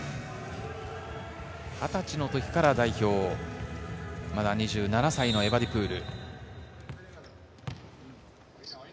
２０歳の時から代表、まだ２７歳のエバディプール。